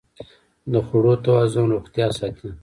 د خوړو توازن روغتیا ساتي.